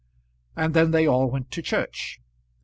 And then they all went to church.